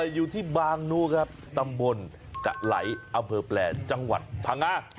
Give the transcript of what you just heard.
อยู่ที่บางนู้นครับตำบลกะไหลอำเภอแปลจังหวัดพังงา